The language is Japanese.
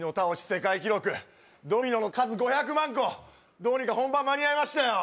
世界記録ドミノの数５００万個どうにか本番間に合いましたよ